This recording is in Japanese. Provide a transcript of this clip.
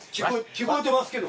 聞こえてますけど。